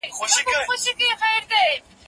هغه وويل چي سفر ګټور دی،